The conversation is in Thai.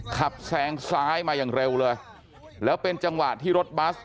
แซงซ้ายมาอย่างเร็วเลยแล้วเป็นจังหวะที่รถบัส